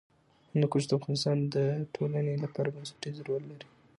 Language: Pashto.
هندوکش د افغانستان د ټولنې لپاره بنسټيز رول لري.